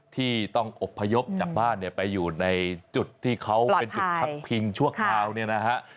ที่ต้องอบพยพจากบ้านเนี่ยไปอยู่ในจุดที่เขาเป็นจุดพักพิงชั่วคราวเนี่ยนะฮะ